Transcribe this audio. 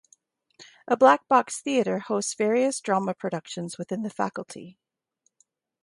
A black box theatre hosts various drama productions within the Faculty.